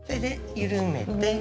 緩めて。